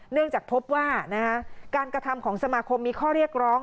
เนื่องจากพบว่าการกระทำของสมาคมมีข้อเรียกร้อง